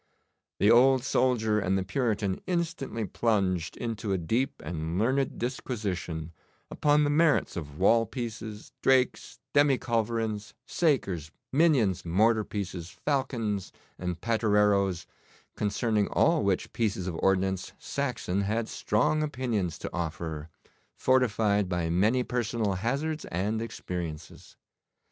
The old soldier and the Puritan instantly plunged into a deep and learned disquisition upon the merits of wall pieces, drakes, demi culverins, sakers, minions, mortar pieces, falcons, and pattereroes, concerning all which pieces of ordnance Saxon had strong opinions to offer, fortified by many personal hazards and experiences.